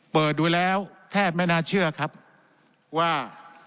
เปิดดูแล้วแทบไม่น่าเชื่อครับว่า